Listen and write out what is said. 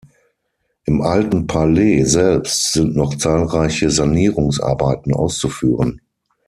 Im Alten Palais selbst sind noch zahlreiche Sanierungsarbeiten auszuführen.